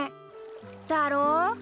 だろ？